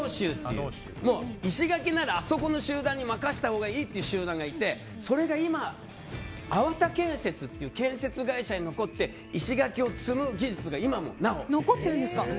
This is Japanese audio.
石垣なら、あそこの集団に任せたほうがいいという集団がいてそれが今、粟田建設という建設会社に残って石垣を積む技術が今もなお残っています。